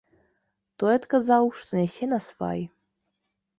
Той адказаў, што нясе насвай.